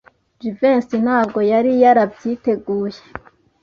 Jivency ntabwo yari yarabyiteguye.